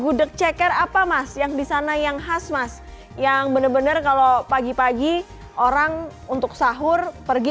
kudek ceker apa mas yang disana yang khas mas yang bener bener kalau pagi pagi orang untuk sahur pergi